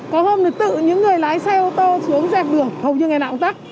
có hôm này tự những người lái xe ô tô xuống dẹp đường hầu như ngày nào cũng tắc